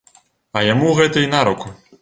А яму гэта й наруку.